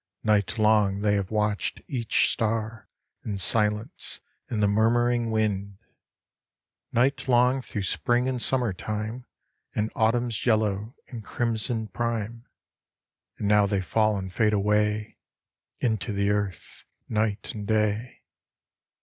Night long they have watched each star In silence and the murmuring wind, Night long through Spring and Summer time And Autumn's yellow and crimson prime ; And now they fall and fade away, Into the earth, night and day.